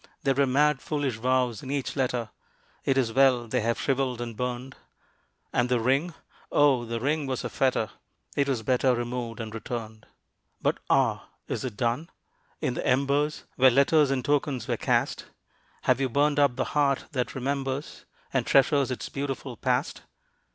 There were mad foolish vows in each letter, It is well they have shriveled and burned, And the ring! oh, the ring was a fetter, It was better removed and returned. But ah, is it done? in the embers Where letters and tokens were cast, Have you burned up the heart that remembers, And treasures its beautiful past?